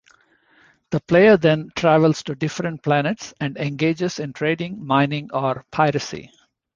The player then travels to different planets and engages in trading, mining, or piracy.